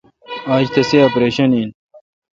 آج تسی اپریشن این ۔